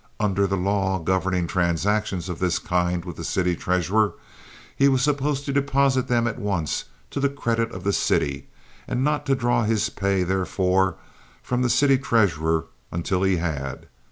Under the law governing transactions of this kind with the city treasurer, he was supposed to deposit them at once to the credit of the city, and not to draw his pay therefor from the city treasurer until he had.